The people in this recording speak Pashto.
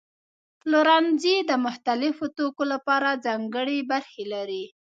پلورنځي د مختلفو توکو لپاره ځانګړي برخې لري.